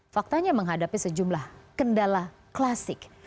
faktanya menghadapi sejumlah kendala klasik